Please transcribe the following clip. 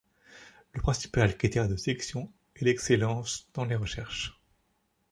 Le principal critère de sélection est l'excellence dans les recherches.